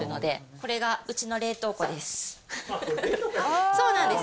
これがうちの冷凍庫です。